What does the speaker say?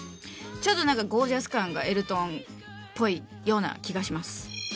ちょっとなんかゴージャス感がエルトンっぽいような気がします。